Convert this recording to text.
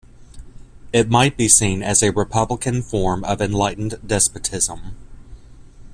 It might be seen as a republican form of enlightened despotism.